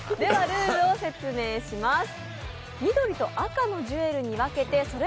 ルールを説明します。